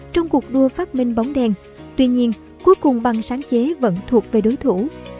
trong cuộc đua phát minh bóng đèn tuy nhiên cuối cùng băng sáng chế vẫn thuộc về đối thủ